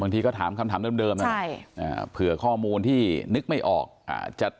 บางทีก็ถามคำถามเดิมเดิมใช่อ่าเผื่อข้อมูลที่นึกไม่ออกห่ะ